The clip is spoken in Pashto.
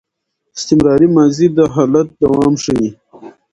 استمراري ماضي د حالت دوام ښيي.